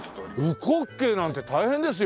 烏骨鶏なんて大変ですよ。